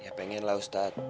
ya pengen lah ustaz